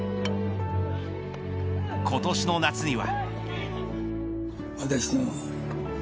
今年の夏には。